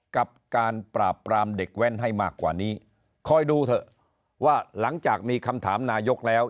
กับการปราบปรามเด็กแว้นให้มากกว่านี้คอยดูเถอะว่าหลังจากมีคำถามนายกแล้ว